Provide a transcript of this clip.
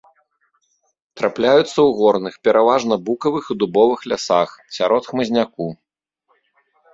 Трапляюцца ў горных, пераважна букавых і дубовых лясах, сярод хмызняку.